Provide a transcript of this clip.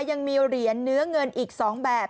ยังมีเหรียญเนื้อเงินอีก๒แบบ